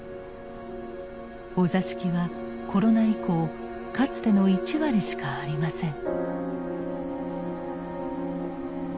お座敷はコロナ以降かつての１割しかありません。